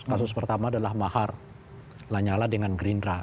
kasus pertama adalah mahar lanyala dengan gerindra